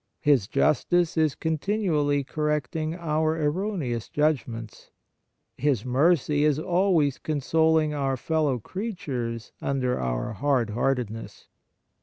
His justice is continually correcting our erroneous judgments. His mercy is always consoling our fellow creatures under our hard heartedness.